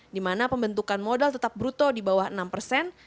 di mana pembentukan modal tetap bruto di bawah enam persen